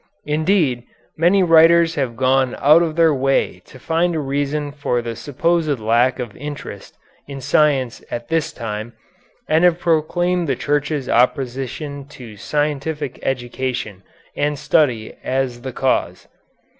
Indeed, many writers have gone out of their way to find a reason for the supposed lack of interest in science at this time, and have proclaimed the Church's opposition to scientific education and study as the cause.